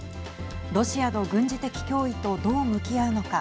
ロシアの軍事的脅威とどう向き合うのか。